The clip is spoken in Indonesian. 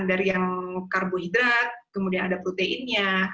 dari yang karbohidrat kemudian ada proteinnya